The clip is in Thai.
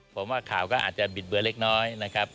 ผมว่าข่าวก็อาจจะบิดเบือเล็กน้อยนะครับ